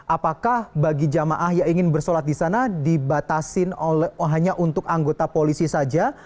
apakah bagi jamaah yang ingin bersolat di sana dibatasin hanya untuk anggota polisi saja